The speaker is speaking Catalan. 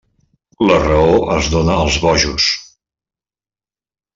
La raó es dóna als bojos.